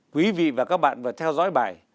quý vị và các bạn vừa theo dõi bài